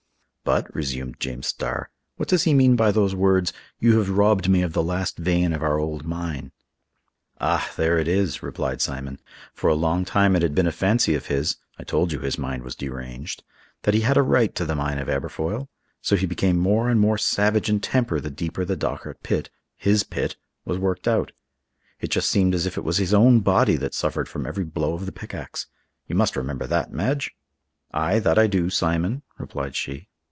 "But," resumed James Starr, "what does he mean by those words, 'You have robbed me of the last vein of our old mine'?" "Ah! there it is," replied Simon; "for a long time it had been a fancy of his—I told you his mind was deranged—that he had a right to the mine of Aberfoyle; so he became more and more savage in temper the deeper the Dochart pit—his pit!—was worked out. It just seemed as if it was his own body that suffered from every blow of the pickax. You must remember that, Madge?" "Ay, that I do, Simon," replied she.